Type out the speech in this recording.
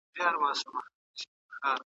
دوی وویل چي خلګ غولول کیږي.